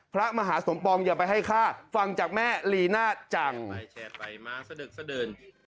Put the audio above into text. พระมหาสมปองอย่าไปให้ฆ่าฟังจากแม่ลีน่าจังแชร์ไปมาสะดึกสะเดิน